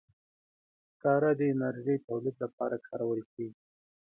سکاره د انرژي تولید لپاره کارول کېږي.